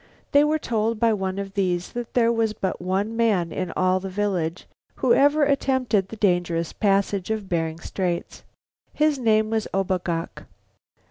They were told by one of these that there was but one man in all the village who ever attempted the dangerous passage of Bering Straits. His name was O bo gok.